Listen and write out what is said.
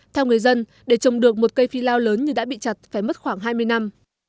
theo người dân để trồng được một cây phi lao lớn như đã bị chặt phải mất khoảng hai mươi năm